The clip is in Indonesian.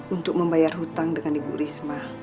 untuk membayar hutang dengan ibu risma